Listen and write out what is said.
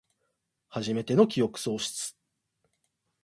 はじめての記憶喪失